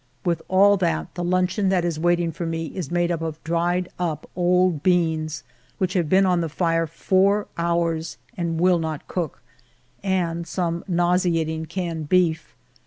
With all that, the luncheon that is waiting for me is made up of dried up old beans which have been on the fire four hours and will not cook, and some nau seating canned beef.